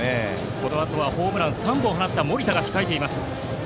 このあとはホームラン３本を放った森田が控えます。